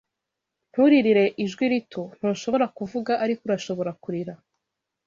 nturirire, ijwi rito, ntushobora kuvuga, ariko urashobora kurira